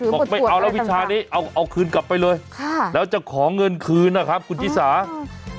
บอกไม่เอาแล้ววิชานี้เอาเอาคืนกลับไปเลยค่ะแล้วจะขอเงินคืนนะครับคุณชิสา